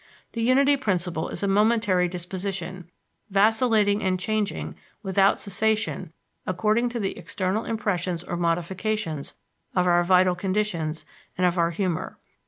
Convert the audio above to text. The unity principle is a momentary disposition, vacillating and changing without cessation according to the external impressions or modifications of our vital conditions and of our humor.